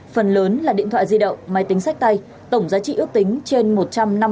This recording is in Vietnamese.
phần lớn là điện thoại di động máy tính sách tay tổng giá trị ước tính trên một trăm năm mươi tỷ đồng